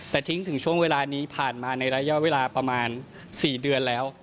แต่ทิ้งถึงช่วงเวลานี้ผ่านมาในระยะเวลาประมาณ๔เดือนแล้ว